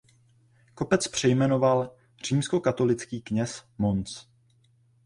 Kopec přejmenoval římskokatolický kněz Mons.